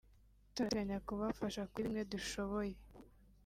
turateganya kubafasha kuri bimwe dushoboye